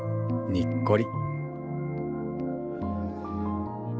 にっこり。